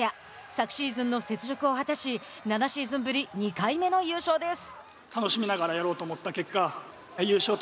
昨シーズンの雪辱を果たし７シーズンぶり２回目の優勝です。